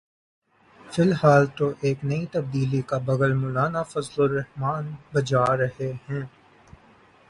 فی الحال تو ایک نئی تبدیلی کا بگل مولانا فضل الرحمان بجا رہے ہیں۔